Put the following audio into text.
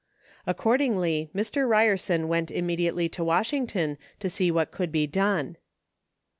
Accordingly Mr. Ryerson went immediately to Washington to see what could be done.